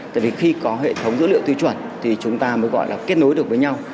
tại vì khi có hệ thống dữ liệu tiêu chuẩn thì chúng ta mới gọi là kết nối được với nhau